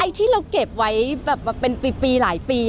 ที่เราเก็บไว้แบบมาเป็นปีหลายปี